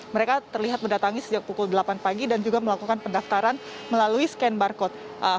mereka terlihat mendatangi sejak pukul delapan pagi dan juga melakukan pendaftaran melalui scan barcode